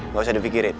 gak usah dipikirin